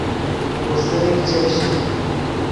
خوستریک چش